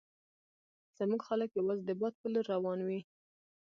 زموږ خلک یوازې د باد په لور روان وي.